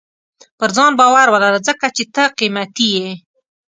• پر ځان باور ولره، ځکه چې ته قیمتي یې.